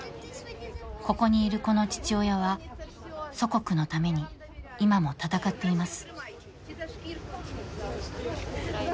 ここにいる子の父親は祖国のために、今も戦っています。